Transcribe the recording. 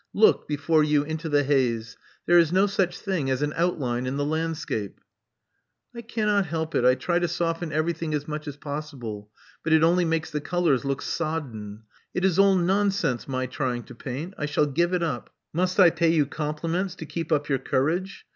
Look before you into the haze. There is no such thitig as an outline in the landscape. " I cannot help it I try to soften everything as much as possible; but it only makes the colors look sodden. It is all nonsense my trying to paint. I shall give it up." '*Must I pay you compliments to keep up your courage?